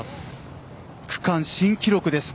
区間新記録です。